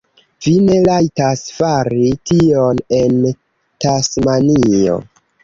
Vi ne rajtas fari tion en Tasmanio.